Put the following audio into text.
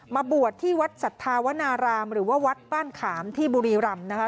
มาบวชที่วัดสัทธาวนารามหรือว่าวัดบ้านขามที่บุรีรำนะคะ